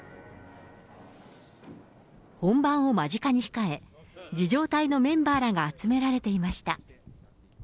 本番を間近に控え、儀じょう隊のメンバーらが集められていました。